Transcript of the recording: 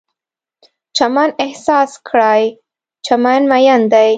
چمن احساس کړئ، چمن میین دی